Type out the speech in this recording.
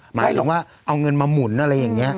หมายถึงว่าเอาเงินมาหมุนอะไรอย่างนี้